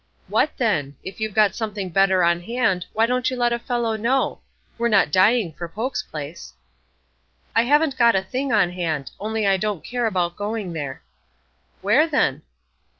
"What, then? If you've got something better on hand, why don't you let a fellow know? We're not dying for Poke's place." "I haven't got a thing on hand; only I don't care about going there." "Where, then?"